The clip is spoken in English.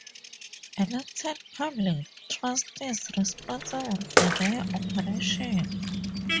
Elected public trustees responsible for their operation.